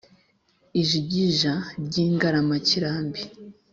Ijigija ry'ingaramakirambi